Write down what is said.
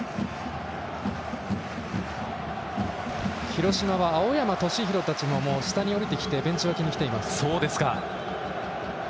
広島は青山敏弘たちも下に降りてきてベンチ脇に来ています。